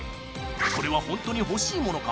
これはホントに欲しいものか？